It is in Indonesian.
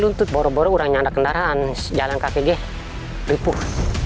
itu boroboro orangnya ada kendaraan jalan kvg ripuh